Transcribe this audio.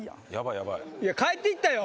やばいいや帰っていったよ